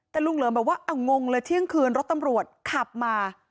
แต่ลุงเหลิมบอกว่าเอางงเลยเที่ยงคืนรถตำรวจขับมา